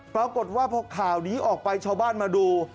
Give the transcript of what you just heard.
ปรากฏว่าพอข่าวนี้ออกไปชาวบ้านมาดู